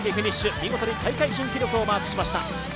見事に大会新記録をマークしました。